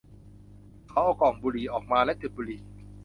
เขาเอากล่องบุหรี่ออกมาและจุดบุหรี่